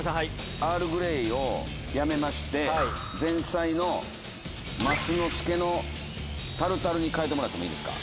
アール・グレイをやめまして、前菜のマスノスケのタルタルに変えてもらってもいいですか。